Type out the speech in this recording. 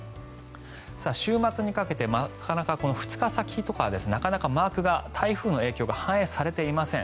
週末にかけて、この２日先とかマークが台風の影響が反映されていません。